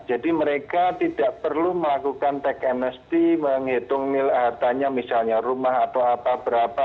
jadi mereka tidak perlu melakukan tagang mnesti menghitung nilai hartanya misalnya rumah atau apa berapa